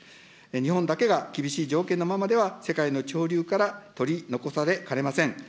日本だけが厳しい条件のままでは、世界の潮流から取り残されかねません。